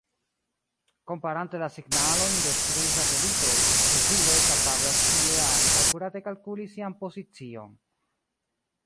Komparante la signalojn de tri satelitoj, riceviloj kapablas ĉie ajn akurate kalkuli sian pozicion.